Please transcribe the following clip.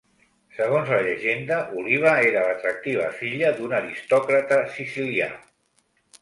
Segons la llegenda Oliva era l'atractiva filla d'un aristòcrata sicilià.